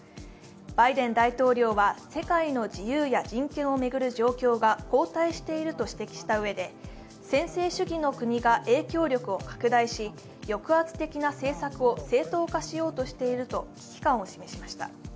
バイデン大統領は世界の自由や人権を巡る状況が後退していると指摘したうえで、専制主義の国が影響力を拡大し抑圧的な政策を正当化しようとしていると危機感を示しました。